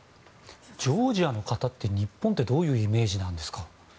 ジョージアの方って日本はどういうイメージですか？